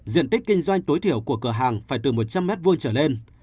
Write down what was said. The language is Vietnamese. diện tích kinh doanh tối thiểu của cửa hàng phải từ một trăm linh m hai trở lên